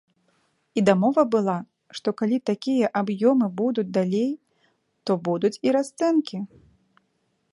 І дамова была, што калі такія аб'ёмы будуць далей, то будуць і расцэнкі.